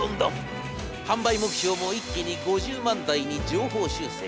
販売目標も一気に５０万台に上方修正。